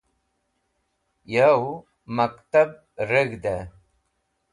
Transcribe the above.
Yow Maktab Reg̃hde